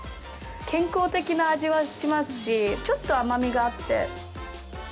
健康的な味はしますし、ちょっと甘みがあって。